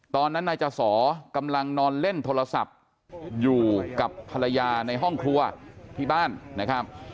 ตอนนั้นนายจสอกำลังนอนเล่นโทรศัพท์อยู่กับภรรยาในห้องครัวที่บ้านนะครับ